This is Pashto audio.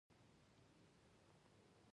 موږ باید یو بل سره مرسته وکړو او ملګرتیا وساتو